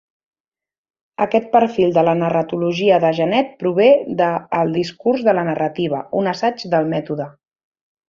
Aquest perfil de la narratologia de Genette prové de "El discurs de la narrativa: Un assaig del mètode".